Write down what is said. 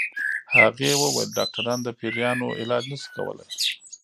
هغې ويل ډاکټران د پيريانو علاج نشي کولی